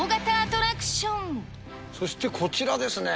そしてこちらですね。